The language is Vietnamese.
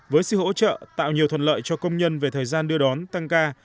với sự hỗ trợ tạo nhiều thuận lợi cho công nhân về thời gian đưa đón tăng ca